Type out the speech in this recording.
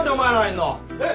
えっ？